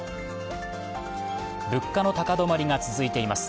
物価の高止まりが続いています。